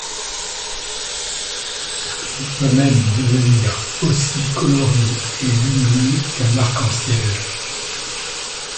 Il peut même devenir aussi coloré et lumineux qu'un arc en ciel.